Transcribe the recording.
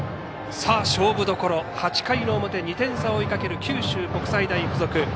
勝負どころ、８回の表２点差を追いかける九州国際大付属。